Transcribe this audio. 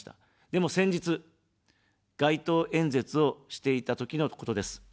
でも、先日、街頭演説をしていたときのことです。